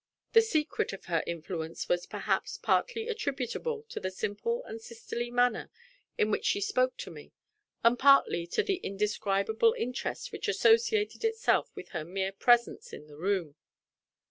The secret of her influence was perhaps partly attributable to the simple and sisterly manner in which she spoke to me, and partly to the indescribable interest which associated itself with her mere presence in the room.